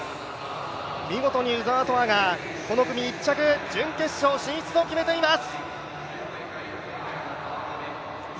見事に鵜澤飛羽がこの組１着準決勝進出を決めています。